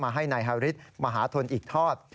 ให้นายฮาริสมหาทนอีกทอด